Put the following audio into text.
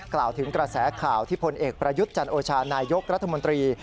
กล่าวถึงกระแสข่าวที่พลเอกประยุทธ์จันโอชานายกรัฐมนตรี